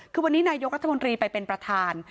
คือวันนี้นายกรัฐมนตรีไปเป็นประธาน